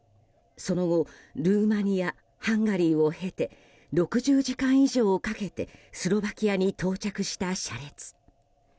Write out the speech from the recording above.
その後ルーマニア、ハンガリーを経て６０時間以上かけてスロバキアに到着した車列。